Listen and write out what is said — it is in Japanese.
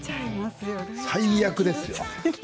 最悪ですよ。